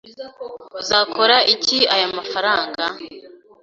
Uzakora iki aya mafaranga?